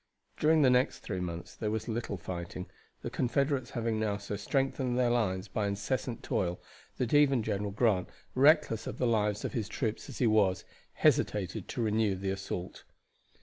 During the next three months there was little fighting, the Confederates having now so strengthened their lines by incessant toil that even General Grant, reckless of the lives of his troops as he was, hesitated to renew the assault.